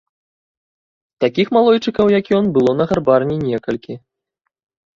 Такіх малойчыкаў, як ён, было на гарбарні некалькі.